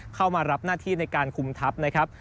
เข้ามารับหน้าที่ในการคุมทัพนะครับ